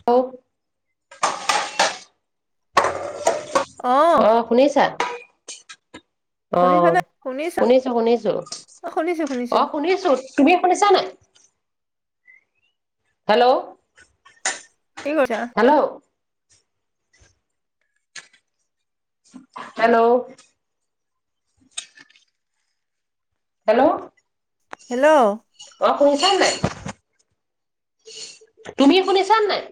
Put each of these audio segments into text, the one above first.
Hello অ শুনিছা? অ শুনিছানে শুনিছা শুনিছো শুনিছো, অ শুনিছো অ শুনিছো তুমি শুনিছা নাই? হেল্ল' কি কৰিছা? হেল্ল' হেল্ল' হেল্ল' হেল্ল' অ শুনিছানে নাই, তুমি শুনিছা নাই?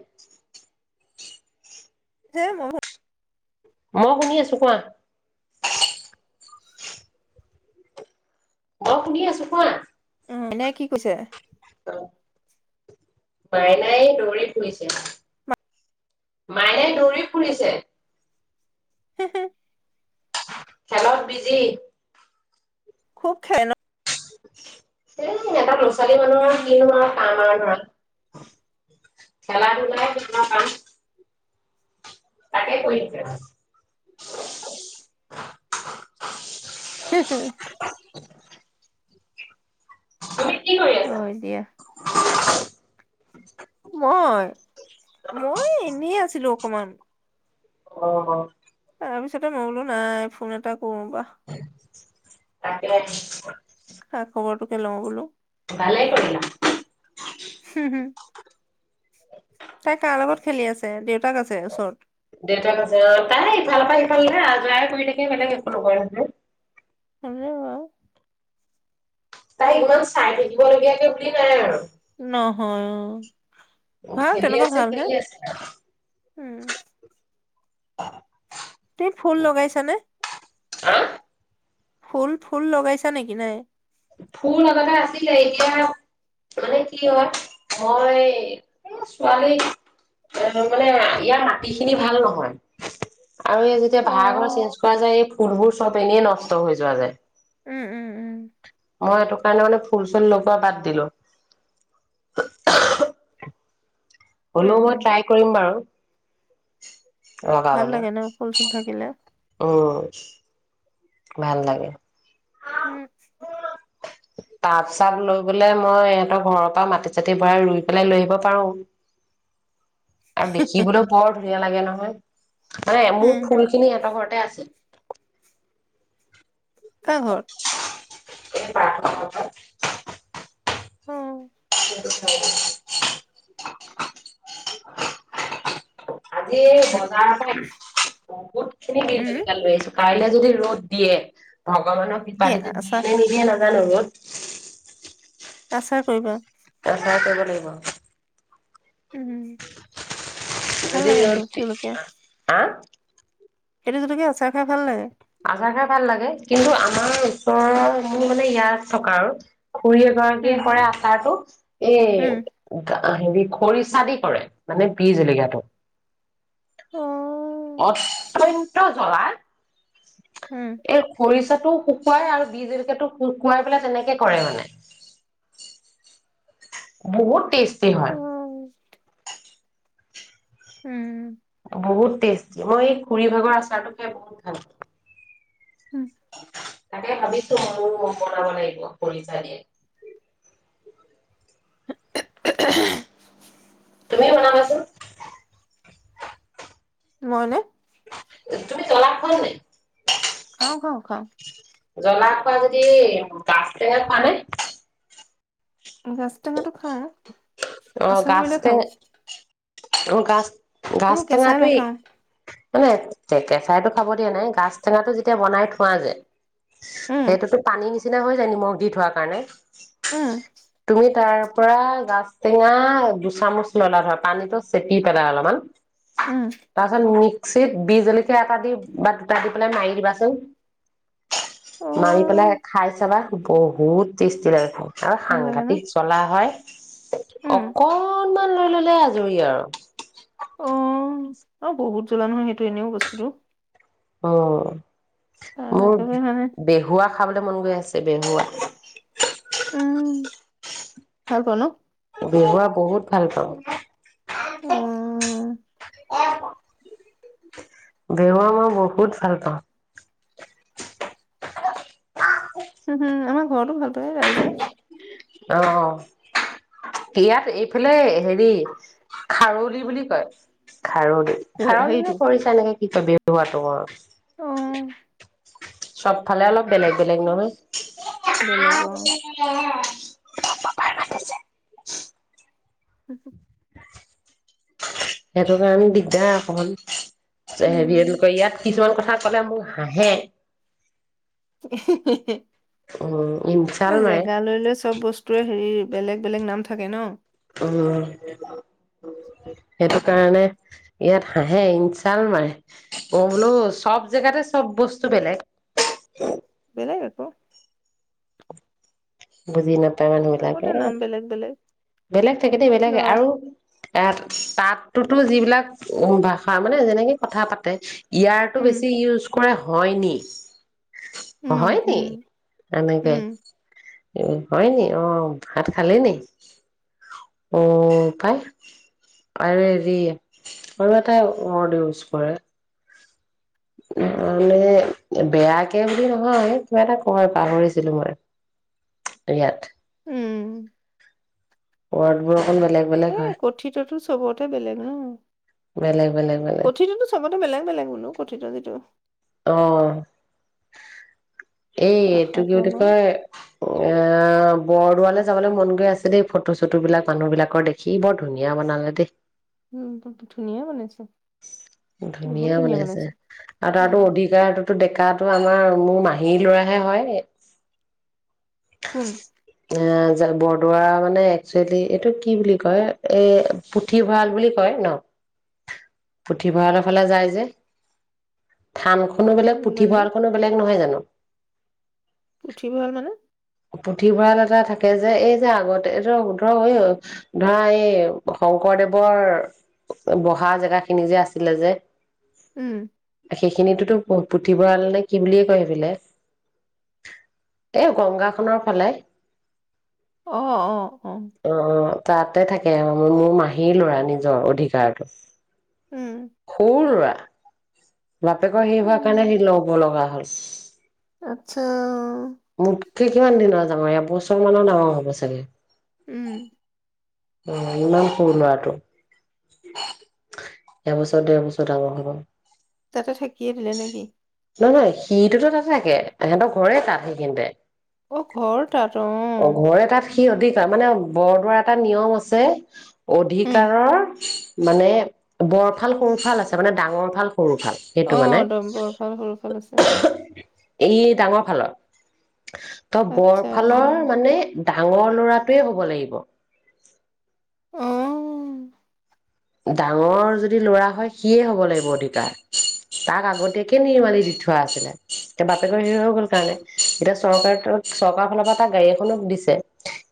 হয় মই মই শুনি আছো কোৱা মই শুনি আছো কোৱা উ নে কি কৈছে মাইনাই দৌৰি ফুৰিছে, মাইনাই দৌৰি ফুৰিছে। হ [unintelligible] খেলত বিজি খুব খাই ন। এ এটাাত ন। ছোৱালী মানুহৰ উম কিনো আৰু কাম আৰু ধৰণ। খেলা ধূলাই কিছুমান কাম তাকে কৰিছে। হে হে [inaudible] হয় [unintelligible] কি কৰি হয় দিয়া আছা [unintelligible] [inaudible] অ', মই এনেই আছো [unintelligible] অ', অ', তাৰ পিছতে মই বোলো নাই ফোন এটা কৰো বা তাক ৰা [inaudible] খা [unintelligible] ভালাই কৰিলা। হুম হুম [unintelligible] তাই কাৰ লগত খেলি আছে দেউতাক আছে ওচৰত দেউতাক কৈছে অ', তাই ইফালৰ পৰা সিফালে হে যাই কৰি থাকে বেলেগ একো নকোৱা নহয়। [inaudible] তাই ইমান চাই থাকিব লগীয়া কে বুলি নাই আৰু নহয় ভাল খেলি তেনেকুৱা আছে ভাল হে খেলি আছে উম তুমি ফুল লগাইছানে হা ফুল ফুল লগাইছা নেকি নাই। ফুল লগতে আছিলে এতিয়া মানে কি হয়, মই ছোৱালী এ মানে ইয়াৰ মাটি খিনি ভাল নহয়। আৰু এই যেতিয়া অ ভাড়া ঘৰ চেঞ্জ কৰা যায় এই ফুলবোৰ চব এনে নষ্ট হৈ যোৱা যায়। উ'ম উ'ম উ'ম। মই এইটো কাৰণে মানে ফুল চুল লগোৱা বাদ দিলো হ'লেও মই উম, ট্ৰাই কৰিম বাৰু [inaudible] ভাল লগবলে লাগে ন ফুল চুল থাকিলে উ ভাল লাগে। উম তাপ চাপ লৈ গলে মই ইহঁতৰ ঘৰৰ পৰা মাটি চাতি ভৰাই ৰুই পেলাই লৈ আহিব পাৰো। আৰু দেখিবলৈ বৰ ধুনীয়া লাগে নহয়। মানে উম, মোৰ ফুল খিনি এটা ঘৰ আছে। কাৰ ঘৰ? এই পাকঘৰ উম। [unintelligible] আজি উম, বজাৰ হয় বহুত খিনি উম, জলকীয়া লৈ আহিছো। কাইলৈ যদি ৰ'দ দিয়ে ভগৱানক কি কিপালীতে আচাৰ দিয়ে নে নিদিয়ে নে না নহত আচাৰ কৰিবা? আচাৰ কৰিব লাগিব। উম, ভাল লাগে [unintelligible] এইটো উতি জলকীয়া আহ [unintelligible] এইটো জলকীয়াৰ আচাৰ খাই ভাল লাগে। আচাৰ খাই ভাল লাগে কিন্তু আমাৰ ওচৰৰ মোৰ মানে ইয়াত থকা--আৰু খুৰী উম, এগৰাকীয়ে কৰে আচাৰতটো উম, এই হেৰি খৰিচা দি কৰে, মানে বিহ জলকীয়াতো অ', অ চলা [unintelligible] উম, এ খৰিচা টো শুকুৱাই আৰু বীজ জলকীয়াতো শোকাই পেলাই তেনেকে কৰে মানে। বহুত টেষ্টি অ', হয়। [inaudible] উম। বহুত টেষ্টি মই এই খুৰী ভাগৰ আচাৰটো খাই বহুত ভাল পাওঁ। উম, তাকে ভাবিছো মই বনাব লাগিব খৰিচা দি [unintelligible] তুমিয়ে বনাবাছোন। মইনে? তুমি জলা খোৱা নে নাই? খাওঁ, খাওঁ, খাওঁ। জ্বলা খোৱা যদি গাছ টেঙা খোৱা নে? গাছটেঙাটো খাওঁ অ আচাৰ গাছ কৰিলে টেঙ খাওঁ। অ ক [unintelligible] [unintelligible] গাছ কিন্তু কেঁচাই টাঙাটোৱেই নাখাওঁ মানে কেঁচাইতো খাব দিয়া নাই গাছ টেঙাটো যেতিয়া বনাই থোৱা যে উম, সেইটোতো পানী নিচিনা যায় নিমখ দি থোৱাৰ কাৰণে উম, তুমি তাৰ পৰা গাজ টেঙা দুচামুচ ললা ধৰ পানীতো চেপি পেলাই অলপমান উম, তাৰপাছত [unintelligible] বি জলকীয়া এটা দি বা দুটা দি পেলাই মাৰি দিবাচোন, মাৰি পেলাই অ', খাই চাবা বহুত টেষ্টি লাগে খাই অ ভাল লাগে সাংঘাতিক ন [unintelligible] চলা হয় [unintelligible] উম, অকল অকণমান লৈ ললে আজৰি আৰু অ', অ বহুত জ্বলা নহয় সেইটো এনেও বস্তুতটো অ মোৰ একেবাৰে মানে বেহুৱা খাবলে মন গৈ আছে বে হুৱাত হ ক নো [inaudible] বিহুৱা বহুত ভাল পাওঁ অ অ অ বিহুৱা মই বহুত ভাল পাওঁ উম হুম আমাৰ ঘৰটো ভাল পায়ে ৰাইজে অ ইয়াত এইফালে হেৰি খাৰলি বুলি কয় খাৰলি হেৰিটো খাৰনে কৰিছা এনেকে কি বটো [unintelligible] অ চবফালে অলপ বেলেগ বেলেগ নহয় বেলেগ অ [unintelligible] মোৰ পাপাই মাতিছে আ [inaudible] সেইটো কাৰণে দিগদাৰ অকমান উম হেৰি এনেকে ইয়াত কিছুমান কথা কথা কলে মোৰ হাঁহে উ [inaudible] অ এ জেগা লৈ লৈ চব বস্তুৱে হেৰি বেলেগ বেলেগ নাম থাকে ন উম সেইটো কাৰণে ইয়াত হাঁহে ইনচাল মাৰে মই বোলো চব জেগাতে চব বস্তু বেলেগ বেলেগ আকৌ বুজি নাপাই চবতে নাম বেলেগ বেলেগ বেলেগ থাকেতে বেলেগ ল'ৰা আৰু এ তাততোতো যিবিলাক ভাষা মানে যেনেকে কথা পাতে ইয়াৰটো উম বেছি ইউজ কৰে হয়নি উম হয় নি উম এনেকে উম হয় নি অ ভাত খালে ন অ পাই আৰু হেৰি আৰু এটাই ৱৰ্ড ইউজ কৰে মানে বেয়াকে বুলি নহয় কিবা এটা কয় পাহৰিছিলো মই ইয়াত উম [unintelligible] বেলেগ এ হয় কথিততো চবতে বেলেগ ন। বেলেগ বেলেগ বেলেগ কথিততো চবতে বেলেগ বেলেগ বুলু কথিত যিটো অহ এই এইটো কি ভাষাটো বুলি আমাৰ কয় এ বৰ গোৱালৈ যাবলৈ মন গৈ আছে দেই ফটো চটো বিলাক মানুহ বিলাকৰ দেখি বৰ ধুনীয়া বনালে দেই। উ ধুনীয়া বনাইছে। ধুনীয়া বনাইছে আৰু উম তাৰতো অধিকাৰটো ডেকাত তটো আমাৰ মোৰ মাহীৰ লৰাহে হয়। কোন? এ বৰদোৱাৰ মানে একচুৱেলি এইটো কি বুলি কয় এই পুথিভঁৰাল বুলি কয় ন? পুথিভঁৰালৰ ফালে যায় যে থান খো বেলে মানে পুথিভঁলখনো বেলেগ নহয় জানো? [unintelligible] পুথিভঁৰাল মানে পুথিভঁৰাল এটা থাকে যে এই যে আগতে এইটো ধৰ ধৰা এই শংকৰদেৱৰ বহা জেগা সি নিজে যে আছিলে যে উম। সেইখিনিতোতো পুথিভঁৰাল নে কি বুলিয়ে কয় সেইফিলে এ গংগাখনৰ ফালে। আহ, অ, অ। তাতে থাকে মোৰ মাহীৰ ল'ৰা নিজৰ উম অধিকাৰতটো। সৰু লৰা বাপেকৰ সেই হোৱাৰ কাৰণে উম সি ল'ব লগা হ'ল। [unintelligible] আচ্ছা। মোক কি কিমান দিনৰ ডাঙৰ ই এবছৰমানৰ ডাঙৰ হ'ব চাগে। উম। উ ইমান সৰু ল'ৰাটো, এবছৰ ডেৰ বছৰ ডাঙৰ হব। তাতে থাকিয়ে দিলে নেকি? নহয় নহ সিটোতো নাথাকে সিহতৰ ঘৰেই তাতেই [unintelligible] অ ঘৰ তাত, অ। তাত সি অধিকাৰ মানে বৰদোৱাৰ এটা নিয়ম আছে উম অধিকাৰৰ মানে বৰফাল সোনফাল আছে মানে ডাঙৰ ফাল সৰু ফাল সেইটো আহ মানে একদম বৰ ভাল সৰু ভাল আছে। এই ডাঙৰ ফালৰ। ত আচ্ছা বৰফালৰ মানে ডাঙৰ লৰাটোৱে হ'ব লাগিব অ ডাঙৰ যদি লৰা হয় সিয়েই হ'ব লাগিব অধিকাৰ তাক আগতীয়াকে নিৰ্মালি দি থোৱা আছিলে ডাঙৰ যদি লৰা হয় সিয়ে হব লাগিব তেতিয়া বাপেকৰ হেৰি হৈ গল কাৰণে এতিয়া চৰকাৰ টো, চৰকাৰৰ ফালৰ পৰা তাক গাড়ী এখনো দিছে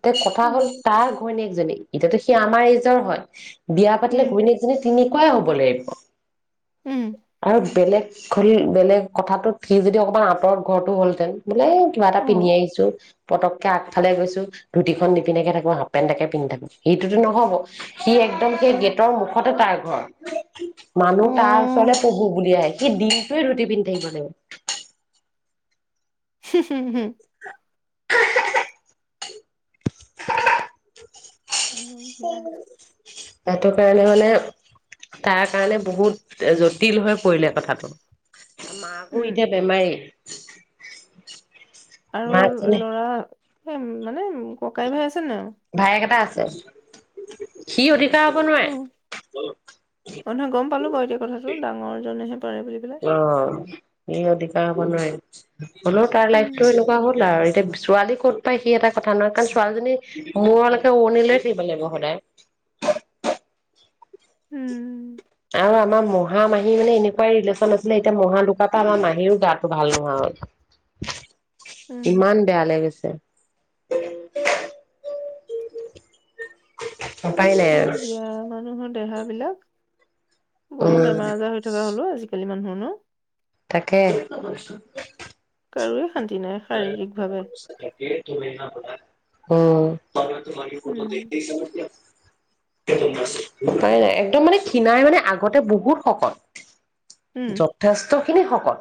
তে কথা উম হ'ল তাৰ ঘৈণীয়েক এতিয়াতো সি আমাৰ এইজৰ হয় পাতিলে উম ঘৈনীকজনী তেনেকুৱাই হ'ব লাগিব উম আৰু বেলেগ [unintelligible] বেলেগ কথাাতটোত সি যদি অকণমান আঁতৰত ঘৰৰতটো হলহেতেন। বোলে কিবা এটা অ পিন্ধি আহিছো পতককে আগফালে গৈছো, ধুতিখন নিপিধাকে থাকো হাফ পেন্ট এটাকে পিন্ধি থাকো, সেইটোতো নহব। সি একদম সেই গ তৰ মুখতে তাৰ ঘৰ। অ মানুহ তাৰ ওচৰলৈ পঢ়ো বুলিয়ে আহে, সি দি তই ধুটি পিন্ধি থাকিব হুহ হু হুম উম উ [unintelligible] সেইটো কাৰণে মানে তাৰ কাৰণে বহুত জটিল হৈ পৰিলে কথাটো মাকো এতিয়া বেমাৰেই আৰু মাক যেনে ল'ৰা হেই মানে উম ককাই ভাই আছে নাই [unintelligible] সি অতি এয়া হব নোৱাৰে [inaudible] অ অ নহয় গম পালো বাৰু এতিয়া কথাটো ডাঙৰজনেহে পাৰে বুলি পেলাই অ নি আৰু দিক ক বনাই [unintelligible] হ'লেও তাৰ লাইফতটো উম এনেকুৱা হ'ল আৰু এতিয়া ছোৱালী ক'ত পায় সি এটা কথা নহয় কাৰণ ছোৱালীজনী মূৰলৈকে উৰণি লৈ থাকিব লাগিব সদায় [unintelligible] উম আৰু আমাৰ মহা মাহী মানে এনেকুৱাই ৰিলেশ্যন আছিলে এতিয়া মহা ঢুকুৱাৰ পৰা আমাৰ মাহীৰো গাটো ভাল নোহোৱা হল উম ইমান বেয়া লাগিছে [inaudible] উপাই নাই আৰু ৰেহাবিলাক বৰ বেমাৰ উম আজাৰ হৈ থকা হ'লো আজিকালি মানুহৰ হ ন তাকে কাৰৱে া ত মেলনা পা [unintelligible] অ আমি তোমাৰ ফটো উম দেখিছো দিয়ক নাই নাই একদম মানে খিনাই মানে আগতে বহুত শকত উম যথেষ্ট কি শকত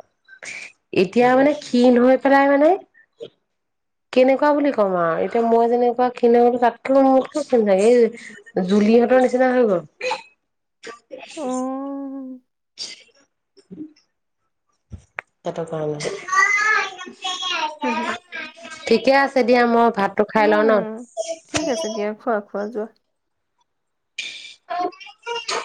এতিয়া মানে কিন হয় সদায় মানে কেনেকুৱা বুলি ক'ম আৰু এতিয়া মই যেনেকুৱা ক্ষীণালো তাতকৈ মতকৈ ক্ষিন থাকে এই জুলিহঁতৰ নিচিনা হৈ গ'ল উম উম তাতৰ কাৰণে হম হু ঠিকে আছে দিয়া মই ভাতটো খাই লওঁ ন ঠিক আছে দিয়া খোৱা খোৱা যোৱা অ